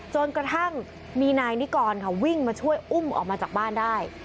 จนกระทั่งมีนายนิกรค่ะวิ่งมาช่วยอุ้มออกมาจากบ้านได้